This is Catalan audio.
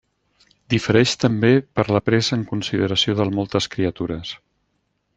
Difereix també per la presa en consideració del moltes criatures.